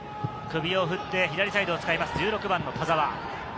首を振って左サイドを使います、１６番の田澤。